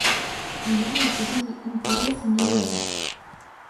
Я ў чужыя інтарэсы не лезу.